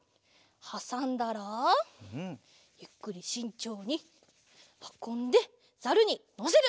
はさんだらゆっくりしんちょうにはこんでザルにのせる。